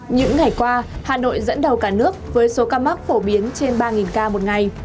những ngày qua hà nội dẫn đầu cả nước với số ca mắc phổ biến trên ba ca một ngày